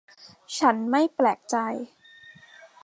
ฉันไม่แปลกใจ